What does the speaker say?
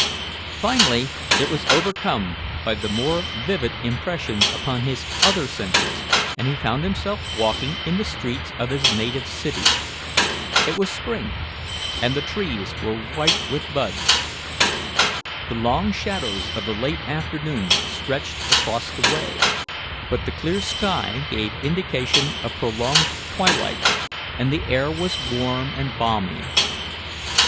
Finally, it was overcome by the more vivid impressions upon his other senses, and he found himself walking in the streets of his native city. It was spring, and the trees were white with buds. The long shadows of the late afternoon stretched across the way, but the clear sky gave indication of prolonged twilight, and the air was warm and balmy.